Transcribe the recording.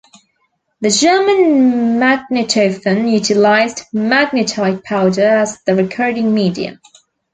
The German magnetophon utilized magnetite powder as the recording medium.